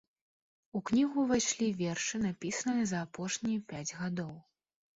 У кнігу ўвайшлі вершы, напісаныя за апошнія пяць гадоў.